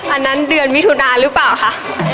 อันนั้นเดือนมิถุนาหรือเปล่าคะ